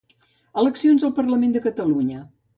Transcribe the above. Eleccions al Parlament de Catalunya.